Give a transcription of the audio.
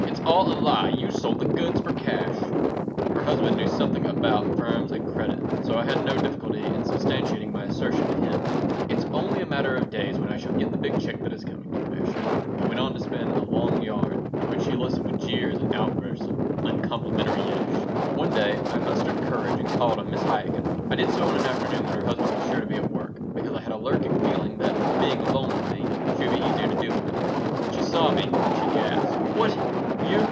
It's all a lie. You sold the goods for cash." Her husband knew something about firms and credit, so I had no difficulty in substantiating my assertion to him "It's only a matter of days when I shall get the big check that is coming to me," I assured them. I went on to spin a long yarn, to which she listened with jeers and outbursts of uncomplimentary Yiddish One day I mustered courage and called on Mrs. Chaikin. I did so on an afternoon when her husband was sure to be at work, because I had a lurking feeling that, being alone with me, she would be easier to deal with When she saw me she gasped. "What, you?"